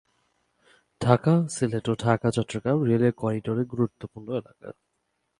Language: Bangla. ঢাকা-সিলেট ও ঢাকা-চট্টগ্রাম রেলওয়ে করিডোরের গুরুত্বপূর্ণ এলাকা।